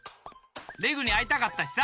レグにあいたかったしさ。